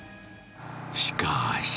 しかし。